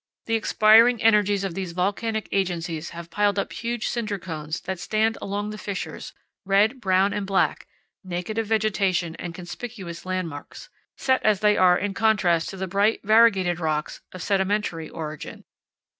The expiring energies of these volcanic agencies have piled up huge cinder cones that stand along the fissures, red, brown, and black, naked of vegetation, and conspicuous landmarks, set as they are in contrast to the bright, variegated rocks of sedimentary origin.